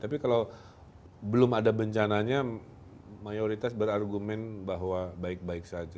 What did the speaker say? tapi kalau belum ada bencananya mayoritas berargumen bahwa baik baik saja